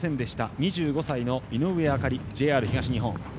２５歳の井上あかり、ＪＲ東日本。